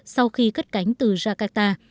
sau khi cất cánh từ jakarta